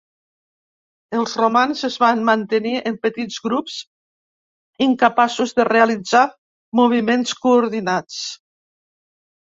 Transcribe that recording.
Els romans es van mantenir en petits grups, incapaços de realitzar moviments coordinats.